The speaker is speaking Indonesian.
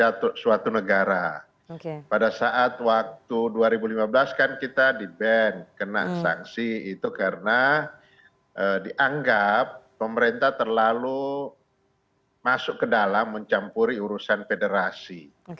ya suatu negara pada saat waktu dua ribu lima belas kan kita di ban kena sanksi itu karena dianggap pemerintah terlalu masuk ke dalam mencampuri urusan federasi